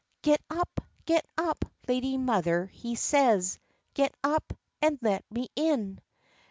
"Get up, get up, lady mother," he says, "Get up, and let me in!